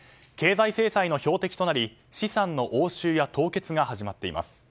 経済制裁の標的となり資産の押収や凍結が始まっています。